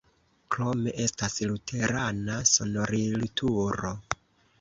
Krome estas luterana sonorilturo.